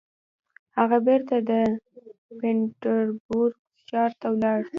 هغه بېرته د پيټرزبورګ ښار ته ولاړ.